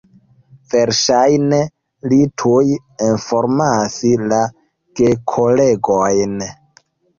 Verŝajne li tuj informas la gekolegojn.